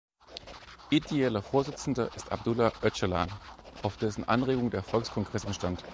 Ideeller Vorsitzender ist Abdullah Öcalan, auf dessen Anregung der Volkskongress entstand.